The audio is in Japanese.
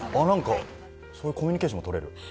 コミュニケーションもとれる。